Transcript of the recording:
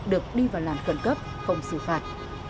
được đi vào làn khẩn cấp không xử phạt